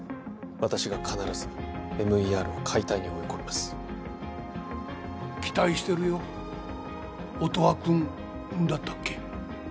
私が必ずＭＥＲを解体に追い込みます期待してるよ音羽くんだったっけ？